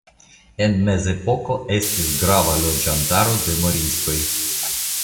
En Mezepoko estis grava loĝantaro de moriskoj.